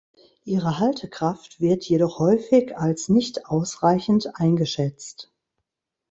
Ihre Haltekraft wird jedoch häufig als nicht ausreichend eingeschätzt.